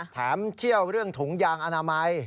เชี่ยวเรื่องถุงยางอนามัย